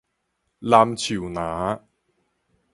南樹林